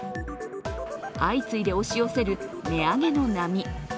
相次いで押し寄せる値上げの波。